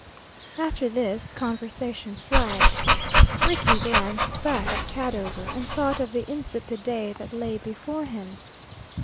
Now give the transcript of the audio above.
After this conversation flagged. Rickie glanced back at Cadover, and thought of the insipid day that lay before him.